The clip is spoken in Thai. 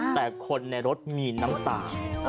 แต่คนในรถมีน้ำตา